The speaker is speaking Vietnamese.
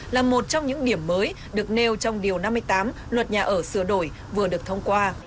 là một trong những điểm mới được nêu trong điều năm mươi tám luật nhà ở sửa đổi vừa được thông qua